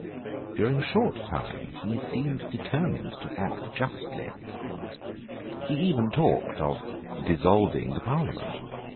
During a short time he seemed determined to act justly. He even talked of dissolving the parliament.